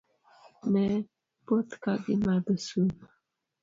Ne poth ka gimadho sum.